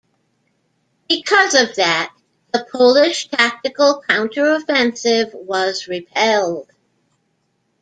Because of that, the Polish tactical counter-offensive was repelled.